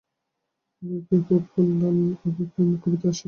উভয়েরই প্রিয় ফুল লাল গোলাপ, উভয়ই প্রেম ও কবিতার আশিক।